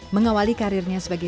mengawali karirnya sebagai